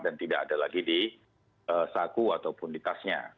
tidak ada lagi di saku ataupun di tasnya